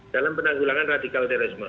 dalam penanggulangan radikalisme terorisme